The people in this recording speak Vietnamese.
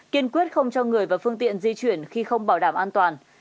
kiên quyết không cho người và phương tiện di chuyển khi không bảo đảm an toàn